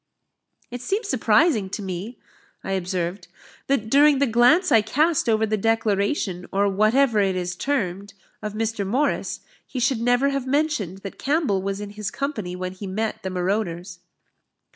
"It seems surprising to me," I observed, "that during the glance I cast over the declaration, or whatever it is termed, of Mr. Morris, he should never have mentioned that Campbell was in his company when he met the marauders."